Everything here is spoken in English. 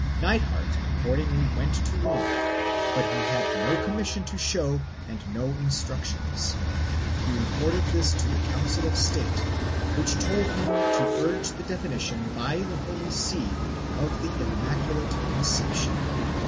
Nithard accordingly went to Rome, but he had no commission to show and no instruc tions. He reported this to the Council of State, which told him to urge the definition by the Holy See of the Immaculate Conception.